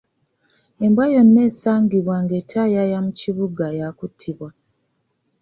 Embwa yonna esangibwa ng'etayaaya mu kibuga ya kuttibwa.